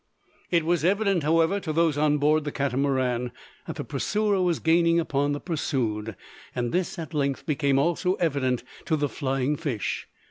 It was evident, however, to those on board the Catamaran, that the pursuer was gaining upon the pursued; and this at length became also evident to the flying fish.